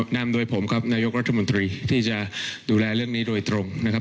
นำโดยผมครับนายกรัฐมนตรีที่จะดูแลเรื่องนี้โดยตรงนะครับ